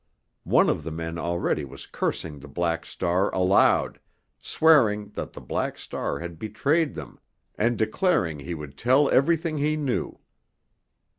One of the men already was cursing the Black Star aloud, swearing that the Black Star had betrayed them and declaring he would tell everything he knew.